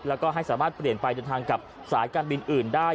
แล้วก็ให้สามารถเปลี่ยนไปเดินทางกับสายการบินอื่นได้